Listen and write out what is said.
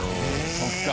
そっか！